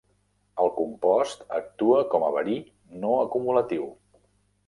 El compost actua com a verí no acumulatiu.